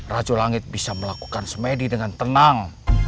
rajo langit bisa melakukan semedi dengan tenang